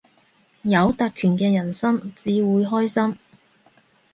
有特權嘅人生至會開心